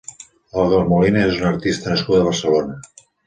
Olga Molina és una artista nascuda a Barcelona.